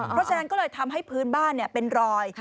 เพราะฉะนั้นก็เลยทำให้พื้นบ้านเป็นรอย